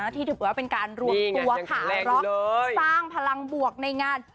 ที่ถือว่าเป็นการรวมตัวขายร็อกสร้างพลังบวกในงาน